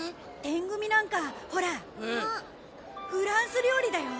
テン組なんかほらフランス料理だよ！